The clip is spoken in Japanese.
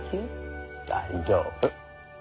大丈夫。